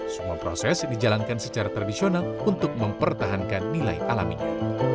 semua proses dijalankan secara tradisional untuk mempertahankan nilai alaminya